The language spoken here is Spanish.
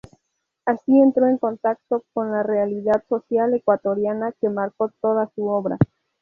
Así entró en contacto con la realidad social ecuatoriana que marcó toda su obra.